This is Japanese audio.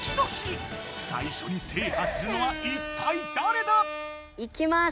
最初にせいはするのは一体だれだ⁉いきます！